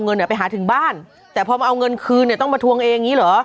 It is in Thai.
ไปหาถึงบ้านแต่พอมาเอาเงินคืนเนี่ยต้องมาทวงเองอย่างนี้เหรอ